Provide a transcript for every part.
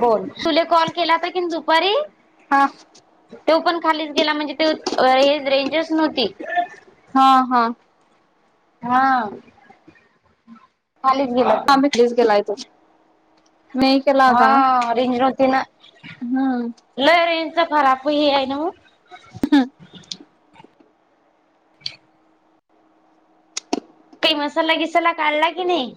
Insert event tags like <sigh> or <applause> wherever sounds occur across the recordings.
बोल सुले कॉल केला तर की दुपारी हा तेव पण खाली म्हणजे ते हे रेंजर्स नव्हती हा हा हा खालीच गेलं तर प्लीज गेलाय तो मी केला हा होता ना रिज रती ना हम्म ल रेचा खराब हे आहे ना मग हम काही मसाला घिसाला काढला की नाही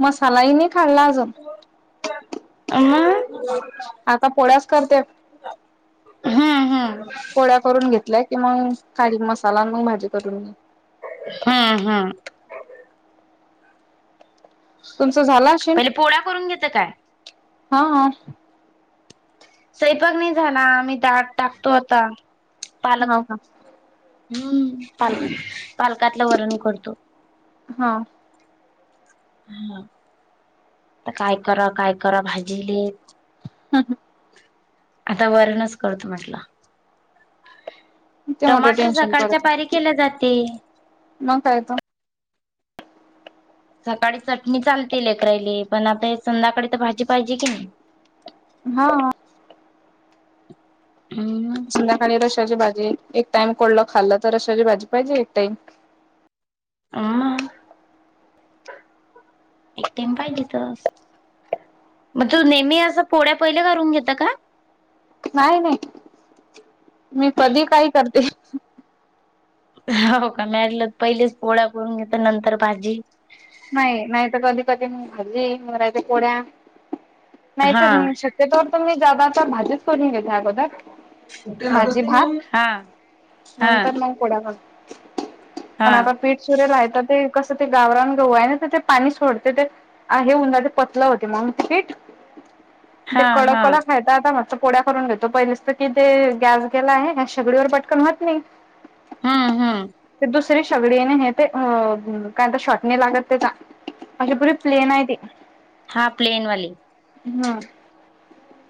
मसालाही नाही खाल्ला अजून आं. आता पोळ्याच करते हा हा पोळ्या करून घेतल्या कि मग खारीक मसाला मग भाजी करून घेत हम्म हम्म तुमच झालाशेल पहिले पोळ्या करून घेत काय हा सैपाक नाही झाला मी दाट टाकतो आता पालक हो का हम्म पाल पालकातलं वर्ण करतो हा ह काय कर काय कर भाजीली हम् हम आता वरणच करतो म्हटलं ते मोठं टमाटर टेन्शन सकाळच्या पारी केल्या जाते म का येतो सकाळी चटणी चालते कराली पण आता हे संध्याकाळी तर भाजी पाहिजे की नाही हा हम् संध्याकाळी रशाची भाजी एक टाइम कोरडं खाल्ल तर रशा ची भाजी पाहिजे एक टाइम हम एक टाईम पाहिजे तस मग तू नेहमी असं पोळ्या पहिल्या करून घेता का नाही नाही मी कधीही काही करते हो का मी आपलं पहिलेच पोळ्या करून घेते नंतर भाजी नाही नाहीत कधी कधी भाजी ही कोड्या नाहीत हा. शक त्याच्यावर तुम्ही जादा भाजीच करून घेताय अगोदर भाजी भात हा हा नंतर मग पण हा आता पीठ सुरे ते कस ते गावरान ऊ आहे ना तर ते पाणी सोडते ते आहे होऊन जाते पतलं होते मग पीठ म ते हा कडक हा कडक खायचं आता मस्त फोड्या करून घेतो पहिलीच तर कि ते गॅस गेला आहे शेगडी वर पटकन होत नाही हम्म हम्म. ते दुसरी शेगडीने हे ते अ काय शॉट नाही लागत ते अशी पुरी प्लेन आहे ते हा प्लेन वाली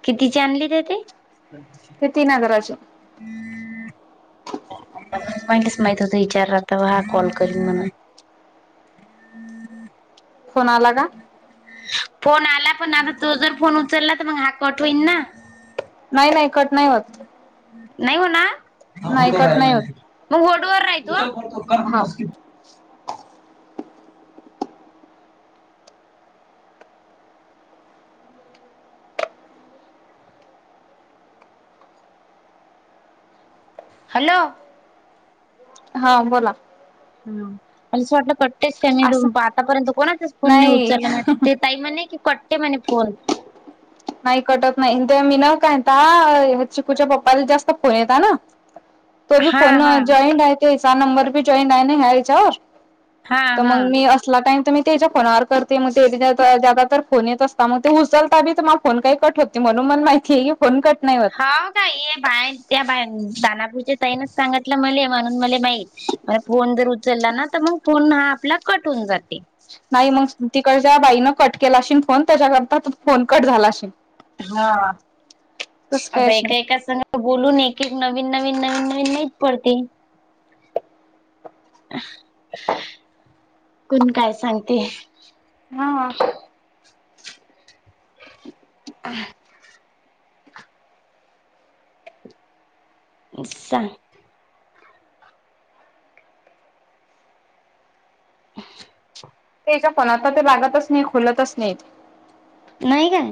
कितीचे आणली ते ते तीन हजाराची <inaudible> पहिलंच माहित होत विचारला तवा हा कॉल करीन म्हणून फोन आला का फोन आला पण आता तो जर फोन उचलला तर मग हा कट होईल ना नाही नाही कट नाही होत नाही हो ना नाही कट नाही होत मग वडूवरर रायतो हा कर स्किप हॅलो हा बोला मला असं वाटलं कटतेस काय मी असं आतापर्यंत कोणाचाच फोन नाही उचला ताई म्हने की कटते म्हणे फोन नाही कटत नाही ते मी न कंटाळा चिकूच्या पप्पाचा जास्त फोन येता ना तो बि हा फोन हा जॉइंट आहेय ते सा नंबर भी जॉइंट आय ना हच्यावर हा तर हा मग मी अस ला टाईम तर मी त्याच्या फोनावर करते मग ते तर फोन येत असता मग ते उचलता बीग फोन काही कट होते म्हणून मण माहितीय व्ह्यो फोन कट नाही होत हो का हे बा त्या बा दानापूरच्या तईनच सांगितलं मले म्हणून मला माईत फोन जर उचलला ना तर मग फोन हा आपला कट होऊन जाते नाही मग तिकडे ज्या बाईनं कट केलाशल फोन त्याच्याकरता त फोन कट झालाशेल हा काय आता असेल एका एका संग बोलून एक एक नवीन नवीन नवीन नवीन नाहीत पडते कोण काय सांगते हा <inaudible> हां <inaudible> त्याच्या फोन आता ते लागतच नाही खोलतच नाहीत नाही काय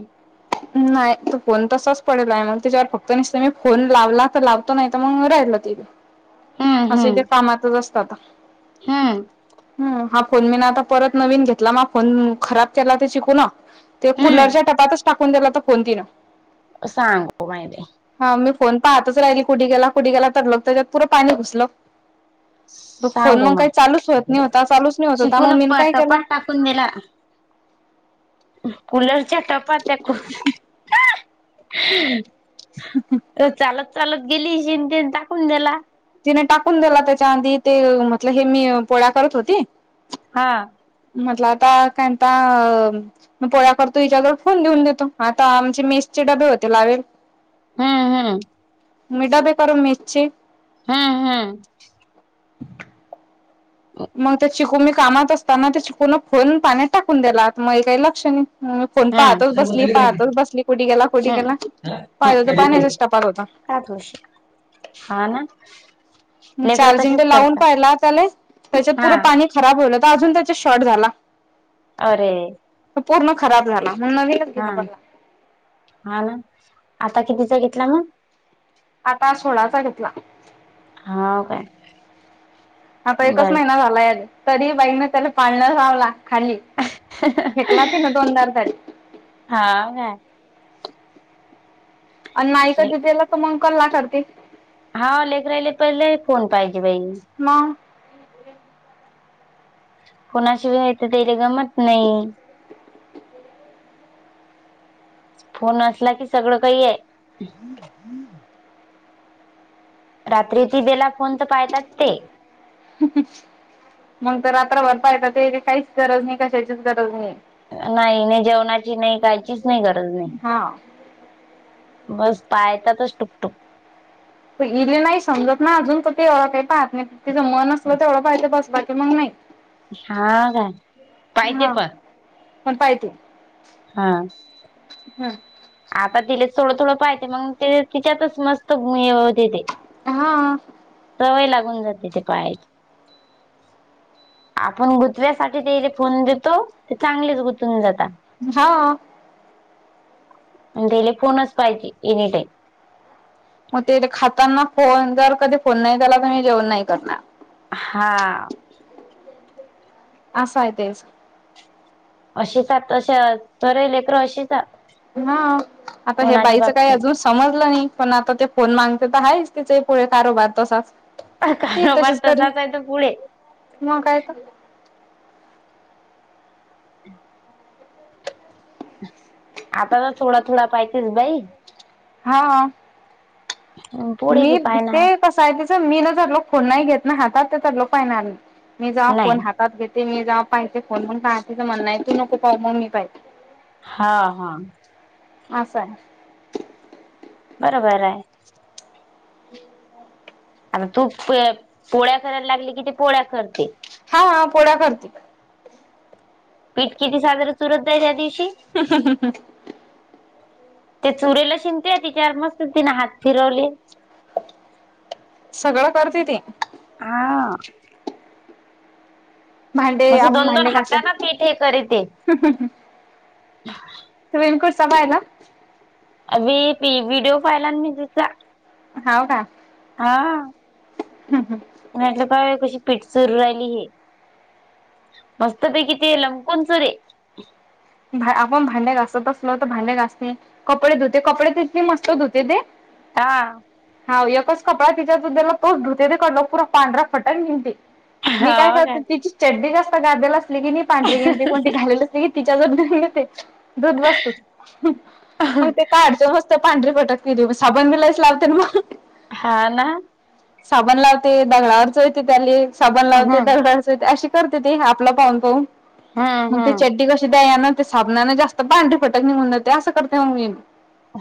नाही तो फोन तसाच पडलाय आहे मग त्याच्यावर फक्त नसत मी फोन लावला तर लाव नाही मग राहिलं तथे हम्म हम्म असंथ कामातच असत आ हम्म ह हा फोन मी ना आता परत नवीन घेतला म फोन खराब केला ते शिकू ना ते कुलरच्या हम्म टपातच टाकून दिला त कोणतीिनं सांगू माहिती हा मी फोन पाहतच राहिली कुे गेला कुठ गेला तरडलोक त्याच्यात पुरं पाणी घुसलो तो फोन मग सांगू काही चालूच होत माय नाही होता चालूच नाही होत होता मग मी काय केला कंदेला कुलर टपा त्याक ह हो चालत चालत गेली शेन टाकून द्याला तिने टाकून दिला त्याच्या आधी ते म्हटल हे मी पोळ्या करत होती हा मतला त कता अ मग पोळ्या करतो विच्यावरवर फोन देेऊन देतो आता आमचे मेसचे डबे होते लावेल हम्म हम्म मीडा बे कर मिर्ची हा हम <inaudible> मग त्या चिकून मी कामात असताना ते चिकून फून पाण्यात टाकून दिला मग काही लक्ष नाही ह फन पाहतोच बसली हम्म पाहतोच बसली कुे गेला कुठ हम्म गेला पाहि तर पाण्याचास््टापार होता ोश ह ना लेकरं चार्जिंग ते तसेच लावून करतात पाहिला त्याला त्याच्यात पुूरं हा पाणी खराब होल तर अजून त्याच्या शॉर्ट झाला अरे पूर्ण खराब झाला नवीन हा हा ना आता कितीचा घेतला मग आता सोळाचा घेतला हा काय आता एकच बर महिना झाला या तरी बाईकने त्याला पाळण लावला खाली फेकला तिनं दोनदार तरी हा का आणि ले नाहीईकला तर मग कल्ला करते हा लेकर राहिले पहिले फोन पाहिजे बाई मग कुणाशी वय तर ते रे गमत नाही फोन असला की सगळं काही आहे ह हम् रात्री त बेला फोन तर पाहतात ते मग तर रात्राभर पाहता याची काहीच गरज नाही कशाचीच गरज नाही नाही नाही जेवणाची नाही कायचीच नाही गरज नाही हा बस पायताातच टुकटुक इले नाही समजत ना अजून क ते ए काही पाहत नाही तिचं मन असलं तेवढं पाहिलं बस क मग नाही हा का पाहितेे पण म्ह पायती हा हम् आता तिले थोडं थोडं पाहतेे मग ते तिच्यातच मस्त देते हा सवय लागून जाते ते पायाची आपण गुंतव्यासाठी तेले फोन देतो ते चांगलेच गुंतून जातान. हा अनं तेले फोनच पाहिजे एनी टाईम मग ते खाताना फोन जर कधी फोन नाही झाला कणय जेवन नाही करणार. हा. असा हाय तेस अशी का तशा सर्वी लेकर अशीच आत हा आता हे बाईचं काय अजून समजलं नही पण आता ते फोन मागते तर आहेच तिचे ही पुढे कारोबार तसाचं कारोबार तसाच आहे तो पुढे मग काय त आता तर थोडा थोडा पाहितीस बाई हा. पुढे बी मी ते पाहणार कसं आहे तचं मी ना जर लो फोन नाय घेत ना हातात ते तर लो पाय ना मी जावा नाही. फोन हातात घेते मी जावा पाहिते फोन त मना नाय तू नको पाहू मग मी पाहिन. हा हा. आस हाय बरोबर हाय - आता तू प पोळ्या करायला लागले की ती पोळ्या करते. हा पोळ्या करती. पीठ किती साजरां चुरत जाय त्या दिवशी <unintelligible> ते चुरेलस हिण ते तिच्या वर मस्त तिने हात फिरवले सगळं करते ती हा. भांडे मस्त आपण दोन दोन भांडे हाताना घासत पीठ हे करे ते <unintelligible> सभा आहे ना अबी पी व्हिडिओ पायलान मी तिचा हव का हा म्हटलं पाय कशी पीठ चूरू राहिली ही मस्त पैकी तेै लमपूण चूरे न्हाय आपण भांडे घासत असलो तर भांडे घासते. कपडे धुते कपडे तर इतके मस्त धुते ते हा हाव एकच कपडा तिच्या याला तोच धुते ते पुरा पांढरा फटण निगते. मी काय करतो तिची चडडी जास्त गालेल असली की नाही पांढरी गे कोणती घालेल असली की ती घेती सगळं धूवून देते धूत बसते पण काढते मस्त त पांढरी पटत केली साबण बी लईस लावते ना मग हा ना. साबण लावते दगडावर चोळते त्याले साबण लावते हम्म दगडावर चोळते अशी करते ते आपला पाहुन पाहुन हम्म मंग हम्म चडडी कस ती द यान ते साबणांन जास्त पांढरी फटक निघून जाते असं करते मग मी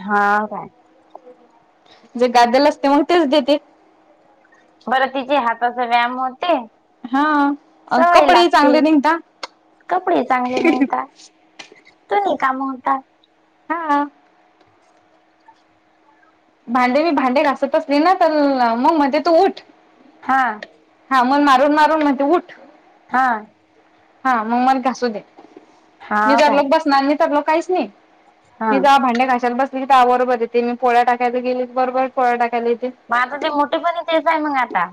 हाव काय जे गाद्याल असते मंग तेच देते. बरं तिचे हाताचा व्यायाम होते. हा अ सवय कपडे लागते, चांगले निघता कपडे चांगले निगता सगळी काम होता. हा. भांडे मी भांडे घासत असेल ना तर मंग म्हणते तू उठ हा हा मण मारून मारून म्हण उठ हा हा मग मला घासू दे हा मी काय तरलोक बसणार मी तरलोक काहीच नाही हा मी जा भांडडे्या घाशाला बसली क त्या बरोबर येत मी पोळ्या टाकायला गेली बरोबर पोळ्या टाकायला येते मग आता ते मोठे पण तेच आहे मग आता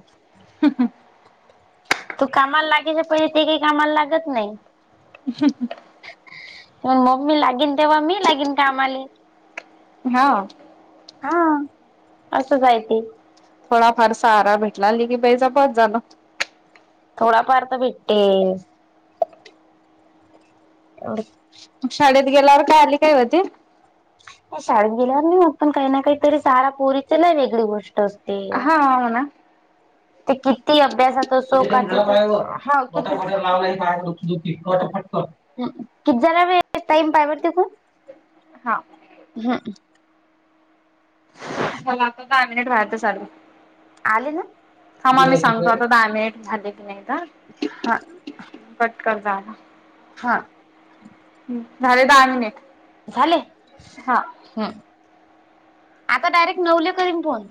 तू कामाला लागेयच्या पहिजे ते काही कामाला लागत नाही ह ते मम् ममी लागेन तेव्हा मी लागेन कामाला हा हा असंचय ते थोडाफार सहारा भेटलाली की बाईज पत जाण थोडाफार तर भेटते एवढ मग शाळेत गेल्यावर काय आली काय होती शाळेत गेल्यावर नाही मग पण काही ना काहीतरी सारा पोरीच नाही वेगळी गोष्ट असते हा अ ना ते किती अभ्यासात असो ह कती जाला टाम पा ब तकू हा हा चला आता दहा मिनिट व्हायच लू आले ना. ह म किती आम्ही वेळ किती सांगतो झाले? आता दहामिट झाले की नाही तर हा कट कर जाला हा झाले दहा मिनिट झाले हा ह आता डायरेक्ट नवले करीन फोन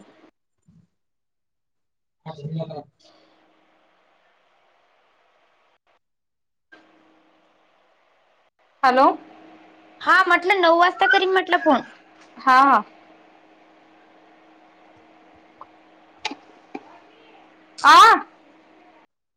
ह <inaudible> हॅलो हा म्हटलं नऊ वाजता करी म्हटलं फोन हा आं